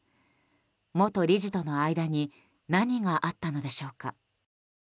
元理事との間に何があったのでしょうか。